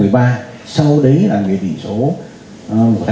đặc biệt sức cho mình nghị định chính trích